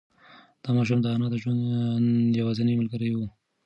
دا ماشوم د انا د ژوند یوازینۍ ملګری و.